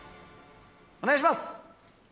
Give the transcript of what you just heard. お願いします。